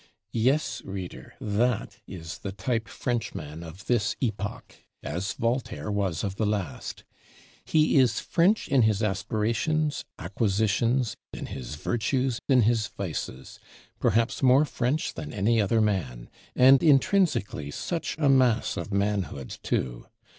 Yes, Reader, that is the Type Frenchman of this epoch, as Voltaire was of the last. He is French in his aspirations, acquisitions, in his virtues, in his vices; perhaps more French than any other man; and intrinsically such a mass of manhood too.